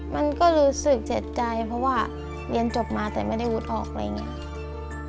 มันก็รู้สึกเจ็บใจเพราะว่าเรียนจบมาแต่ไม่ได้วุฒิออกอะไรอย่างนี้